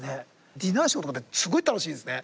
ディナーショーとかすごい楽しいですね。